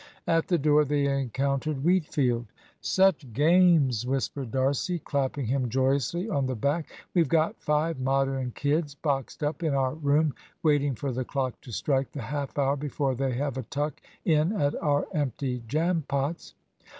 At the door they encountered Wheatfield. "Such games!" whispered D'Arcy, clapping him joyously on the back. "We've got five Modern kids boxed up in our room, waiting for the clock to strike the half hour before they have a tuck in at our empty jam pots."